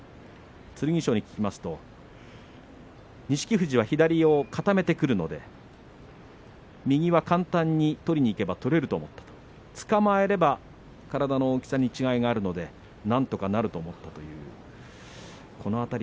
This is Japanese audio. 剣翔に聞きますと錦富士は右を固めてくるので右は簡単に取りにいけば取れると思ったつかまえれば体の大きさに違いがあるのでなんとかなると思ったと言っていました。